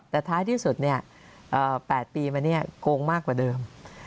แต่ท้ายที่สุด๘ปีมาเนี่ยโกงมากกว่าเดิม